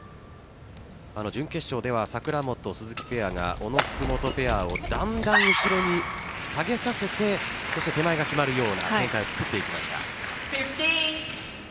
準決勝では櫻本・鈴木ペアが小野・福本ペアをだんだん後ろに下げさせて手前が決まるような展開を作っていきました。